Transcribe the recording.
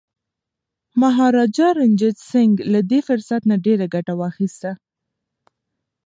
مهاراجا رنجیت سنګ له دې فرصت نه ډیره ګټه واخیسته.